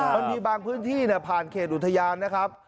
มันมีบางพื้นที่ผ่านเขตอุทยานนะครับ